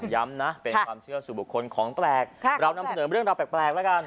ย้ำนะเป็นความเชื่อสู่บุคคลของแปลกเรานำเสนอเรื่องราวแปลกแล้วกัน